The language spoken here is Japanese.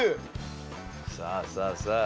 さあさあさあ